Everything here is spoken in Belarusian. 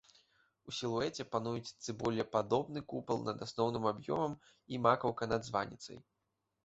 У сілуэце пануюць цыбулепадобны купал над асноўным аб'ёмам і макаўка над званіцай.